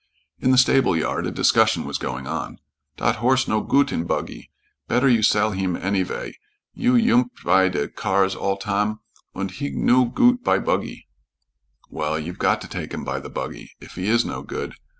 In the stable yard a discussion was going on. "Dot horse no goot in buggy. Better you sell heem any vay. He yoomp by de cars all tam, und he no goot by buggy." "Well, you've got to take him by the buggy, if he is no good.